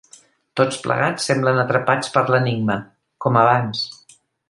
Tots plegats semblen atrapats per l'enigma, com abans.